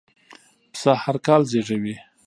پسه هرکال زېږوي.